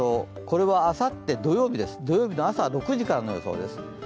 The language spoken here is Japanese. これはあさって土曜日の朝６時からの予想です。